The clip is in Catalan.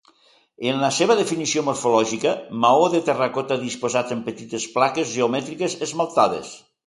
En la seva definició morfològica: maó de terracota disposat en petites plaques geomètriques esmaltades.